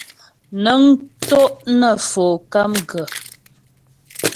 Nə́ŋ tó' nə Fo KAMGA.